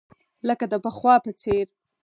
لکه د پخوا په څېر.